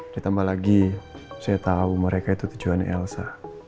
ditambah lagi saya tau mereka itu tujuannya elsa